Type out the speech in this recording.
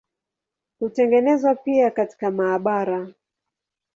Hutengenezwa pia katika maabara.